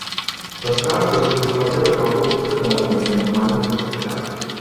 Расказвае, што іх кватэра пакуль не прыдатная для нармальнага жыцця.